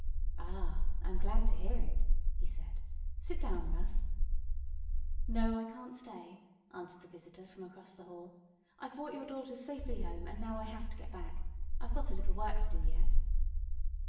"Ah, I'm glad to hear it," he said. "Sit down, Russ." "No, I can't stay," answered the visitor from across the hall. "I've brought your daughters safely home, and now I have to get back. I've got a little work to do yet."